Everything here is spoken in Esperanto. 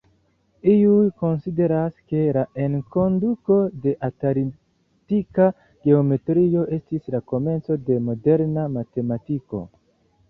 Iuj konsideras, ke la enkonduko de analitika geometrio estis la komenco de moderna matematiko.